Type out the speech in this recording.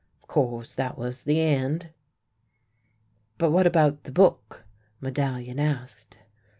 ... Of course that was the end !"" But what about the book? " Medallion asked.